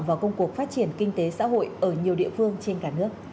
vào công cuộc phát triển kinh tế xã hội ở nhiều địa phương trên cả nước